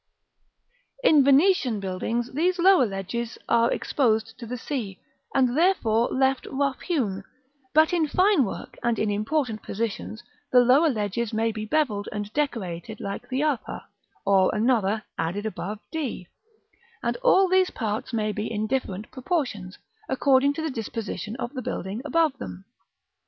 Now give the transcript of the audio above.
In Venetian buildings these lower ledges are exposed to the sea, and therefore left rough hewn; but in fine work and in important positions the lower ledges may be bevelled and decorated like the upper, or another added above d; and all these parts may be in different proportions, according to the disposition of the building above them.